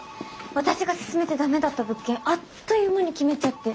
私が勧めてダメだった物件あっという間に決めちゃって。